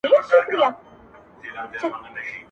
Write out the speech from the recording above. ښه موده کيږي چي هغه مجلس ته نه ورځمه~